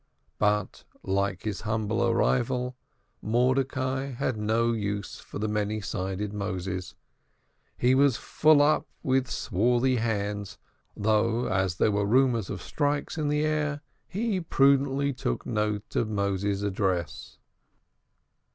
But like his humbler rival, Mordecai had no use for the many sided Moses; he was "full up" with swarthy "hands," though, as there were rumors of strikes in the air, he prudently took note of Moses's address.